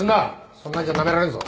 そんなんじゃなめられるぞ。